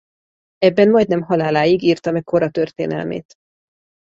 Ebben majdnem haláláig írta meg kora történelmét.